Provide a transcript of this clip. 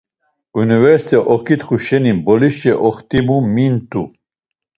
Universete oǩitxu şeni Mp̌olişe oxtimu mint̆u.